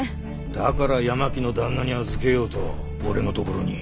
だから八巻の旦那に預けようと俺の所に。